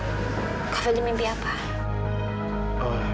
kak fadil mimpi apa